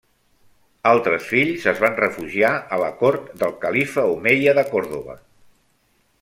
Altres fills es van refugiar a la cort del califa omeia de Còrdova.